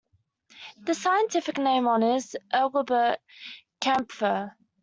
The scientific name honours Engelbert Kaempfer.